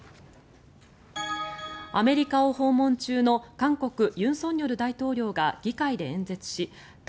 アメリカを訪問中の韓国、尹錫悦大統領が議会で演説し対